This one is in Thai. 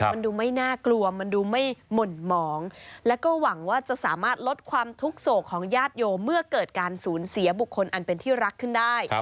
มันดูไม่น่ากลัวมันดูไม่หม่นหมองแล้วก็หวังว่าจะสามารถลดความทุกข์โศกของญาติโยมเมื่อเกิดการสูญเสียบุคคลอันเป็นที่รักขึ้นได้